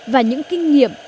và những kinh nghiệm